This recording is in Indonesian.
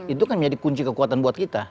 itu semua kekuatan buat kita